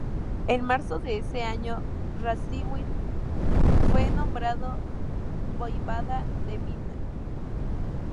En marzo de ese año, Radziwiłł fue nombrado voivoda de Vilna.